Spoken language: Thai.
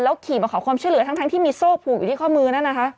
แล้วขี่มาขอความช่วยเหลือทั้งที่มีโซ่ผูกอยู่ที่ข้อมือ